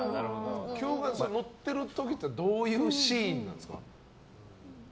乗ってる時ってどういうシーンなんですか。